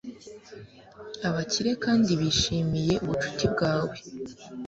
abakire kandi bishimiye ubucuti bwawe